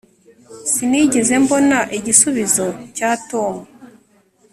sinigeze mbona igisubizo cya tom